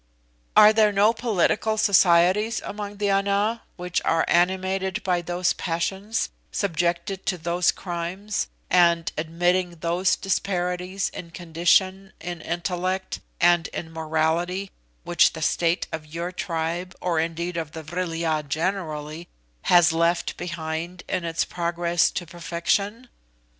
"Are there no political societies among the Ana which are animated by those passions, subjected to those crimes, and admitting those disparities in condition, in intellect, and in morality, which the state of your tribe, or indeed of the Vril ya generally, has left behind in its progress to perfection?